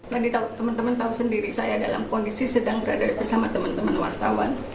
tadi teman teman tahu sendiri saya dalam kondisi sedang berada bersama teman teman wartawan